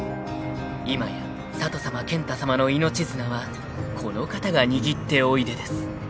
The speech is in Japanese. ［今や佐都さま健太さまの命綱はこの方が握っておいでです］